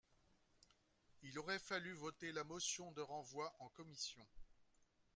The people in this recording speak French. Il aurait fallu voter la motion de renvoi en commission